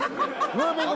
ムービング。